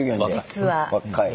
若い。